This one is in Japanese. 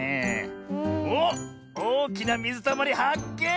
おっおおきなみずたまりはっけん！